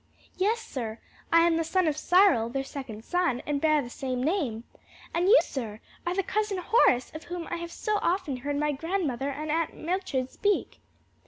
"Yes, sir; I am the son of Cyril, their second son, and bear the same name. And you, sir, are the Cousin Horace of whom I have so often heard my grandmother and Aunt Mildred speak?"